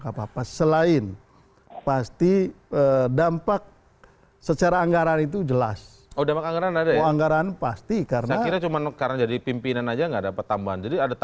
konsensus antara partai partai